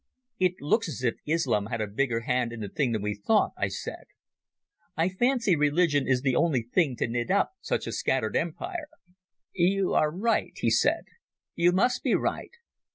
"It looks as if Islam had a bigger hand in the thing than we thought," I said. "I fancy religion is the only thing to knit up such a scattered empire." "You are right," he said. "You must be right.